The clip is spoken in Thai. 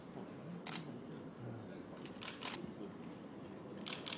โปรดติดตามตอนต่อไป